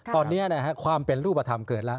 ตอนนี้ความเป็นรูปธรรมเกิดแล้ว